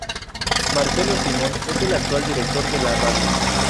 Marcelo Simón es el actual director de la radio.